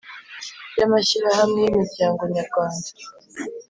Ry amashyirahamwe y imiryango nyarwanda